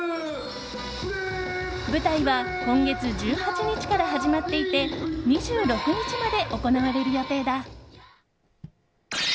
舞台は今月１８日から始まっていて２６日まで行われる予定だ。